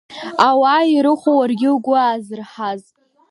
Ауаа ирыхәо, уаргьы угәы аззырҳаз?!